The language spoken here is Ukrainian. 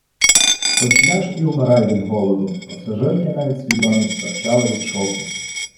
Хоч ляж і вмирай від голоду, пасажирки навіть свідомість втрачали від шоку.